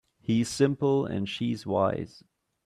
He's simple and she's wise.